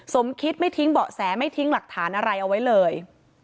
สมคิดไม่ทิ้งเบาะแสไม่ทิ้งหลักฐานอะไรเอาไว้เลย